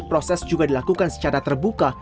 proses juga dilakukan secara terbuka